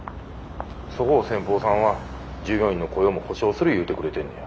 そこを先方さんは従業員の雇用も保証する言うてくれてんねや。